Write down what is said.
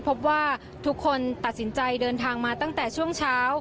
พบว่าทุกคนตัดสินใจเดินทางมาตั้งแต่ช่วงเช้า